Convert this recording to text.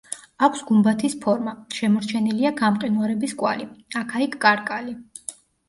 აქვს გუმბათის ფორმა, შემორჩენილია გამყინვარების კვალი, აქა-იქ კარკალი.